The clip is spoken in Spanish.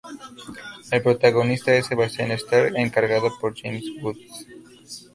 El protagonista es Sebastian Stark, encarnado por James Woods.